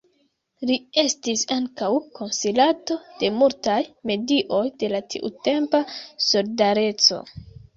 Li estis ankaŭ konsilanto de multaj medioj de la tiutempa Solidareco.